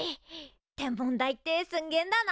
天文台ってすんげえんだな。